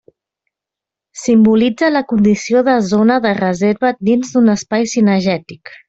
Simbolitza la condició de zona de reserva dins d'un espai cinegètic.